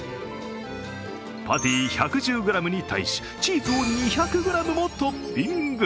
パティ１１０ｇに対しチーズを２００ｇもトッピング。